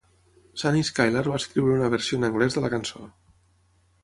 Sunny Skylar va escriure una versió en anglès de la cançó.